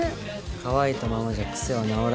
乾いたままじゃクセは直らない。